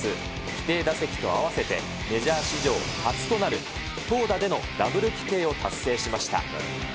規定打席と併せて、メジャー史上初となる投打でのダブル規定を達成しました。